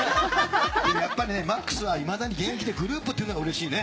やっぱ、ＭＡＸはいまだに現役でグループというのがうれしいね。